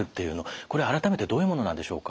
これ改めてどういうものなんでしょうか？